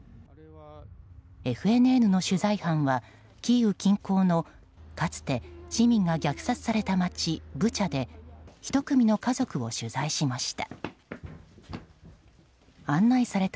ＦＮＮの取材班はキーウ近郊のかつて市民が虐殺された街ブチャで１組の家族を取材しました。